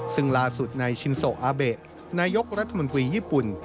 ซึ่งล่าสุดนายชินโซอาเบะนายกรัฐมนตรีญี่ปุ่น